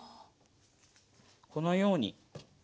このように。